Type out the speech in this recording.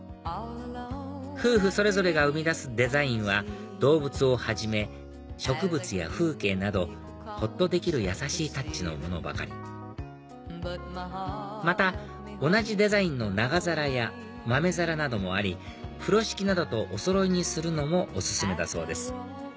夫婦それぞれが生み出すデザインは動物をはじめ植物や風景などほっとできる優しいタッチのものばかりまた同じデザインの長皿や豆皿などもあり風呂敷などとおそろいにするのもお勧めだそうです